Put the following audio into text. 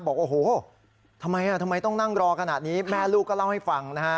บอกว่าโอ้โหทำไมต้องนั่งรอกระหนักนี้แม่ลูกก็เล่าให้ฟังนะฮะ